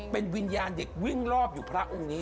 เป็นวิญญาณเด็กวิ่งรอบอยู่พระองค์นี้